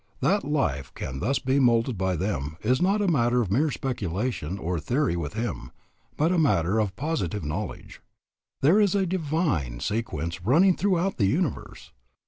That life can be thus moulded by them is not a matter of mere speculation or theory with him, but a matter of positive knowledge. There is a divine sequence running throughout the universe.